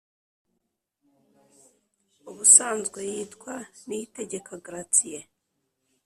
ubusanzwe yitwa niyitegeka gratien,